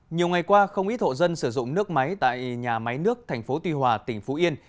nhiều ngày qua không ít hộ dân sử dụng nước máy tại nhà máy nước thành phố tuy hòa tỉnh phú yên